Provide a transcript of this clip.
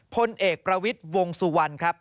พลเอกประวิทย์วงสุวรรณครับ